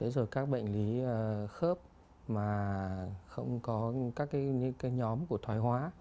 rồi các bệnh lý khớp mà không có các nhóm của thoải hóa